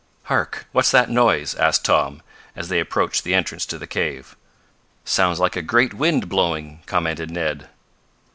"Hark! What's that noise?" asked Tom, as they approached the entrance to the cave. "Sounds like a great wind blowing," commented Ned.